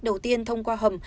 đầu tiên thông qua hầm